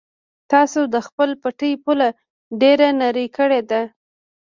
تاسو د خپل پټي پوله ډېره نرۍ کړې ده.